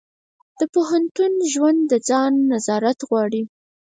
د پوهنتون ژوند د ځان نظارت غواړي.